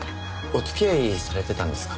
お付き合いされてたんですか？